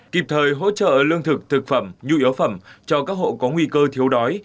kịp thời hỗ trợ lương thực thực phẩm nhu yếu phẩm cho các hộ có nguy cơ thiếu đói